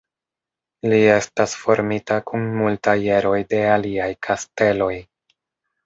Li estas formita kun multaj eroj de aliaj kasteloj.